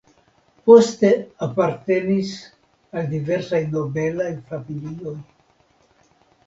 Poste apartenis al diversaj nobelaj familioj.